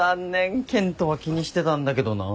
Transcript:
健人は気にしてたんだけどな。